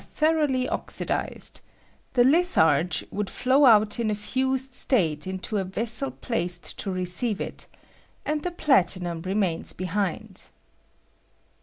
thoroughly oxidized; the litharge would flow ' out in a fused state into a vessel placed to re ■ oeive it, and the platinum remains behind.